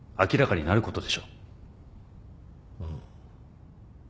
うん。